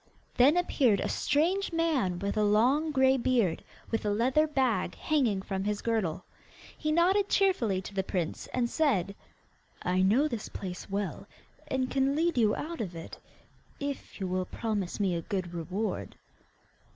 Then appeared a strange man with a long grey beard, with a leather bag hanging from his girdle. He nodded cheerfully to the prince, and said: 'I know this place well, and can lead you out of it, if you will promise me a good reward.